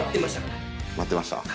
待ってました？